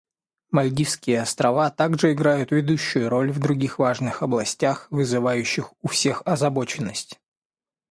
Мальдивские Острова также играют ведущую роль в других важных областях, вызывающих у всех озабоченность.